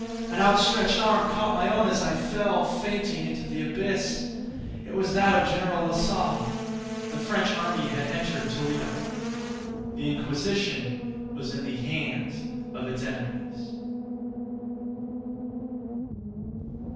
An outstretched arm caught my own as I fell, fainting, into the abyss. It was that of General Lasalle. The French army had entered Toledo. The Inquisition was in the hands of its enemies.